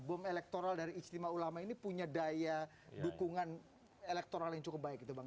bom elektoral dari ijtima ulama ini punya daya dukungan elektoral yang cukup baik gitu bang